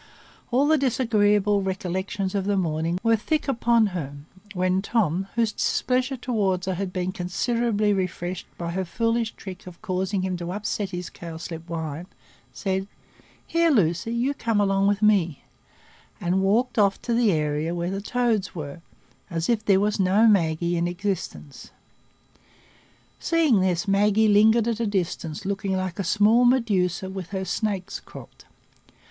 All the disagreeable recollections of the morning were thick upon her, when Tom, whose displeasure toward her had been considerably refreshed by her foolish trick of causing him to upset his cowslip wine, said, "Here, Lucy, you come along with me," and walked off to the area where the toads were, as if there were no Maggie in existence. Seeing this, Maggie lingered at a distance, looking like a small Medusa with her snakes cropped.